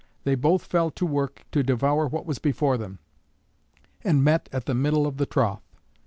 They both fell to work to devour what was before them, and met at the middle of the trough.